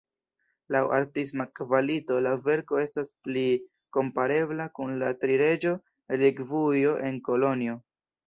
Laŭ artisma kvalito la verko estas pli komparebla kun la Tri-Reĝo-Relikvujo en Kolonjo.